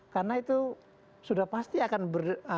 karena itu sudah pasti akan berlaku